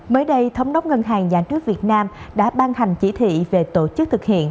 mới đây thống đốc ngân hàng nhà nước việt nam đã ban hành chỉ thị về tổ chức thực hiện